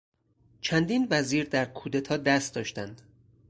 چندین وزیر در کودتا دست داشتند.